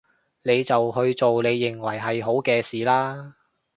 你就去做你認為係好嘅事啦